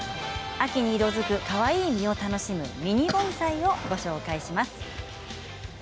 秋に色づくかわいい実を楽しむミニ盆栽をご紹介します。